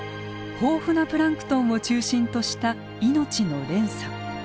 豊富なプランクトンを中心とした命の連鎖。